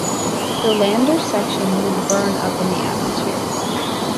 The lander section would burn up in the atmosphere.